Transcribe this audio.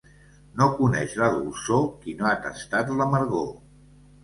No coneix la dolçor qui no ha tastat l'amargor.